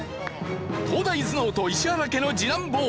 東大頭脳と石原家の次男坊！